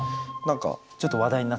ちょっと話題になった？